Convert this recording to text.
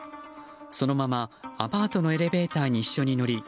そのままアパートのエレベーターに一緒に乗り